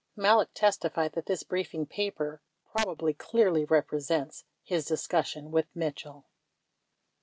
Malek testified that this briefing paper "probably clearly represents" his discussion with Mitchell.